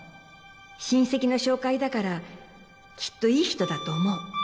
親戚の紹介だからきっといい人だと思う